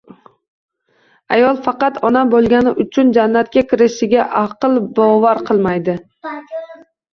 Ayol faqat ona bo'lganligi uchun jannatga kirishiga aql bovar qilmaydi.